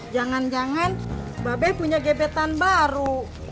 jangan jangan babe punya gebetan baru